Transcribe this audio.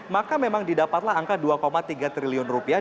maka memang didapatlah angka dua tiga triliun rupiah